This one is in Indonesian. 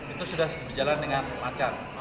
itu sudah berjalan dengan lancar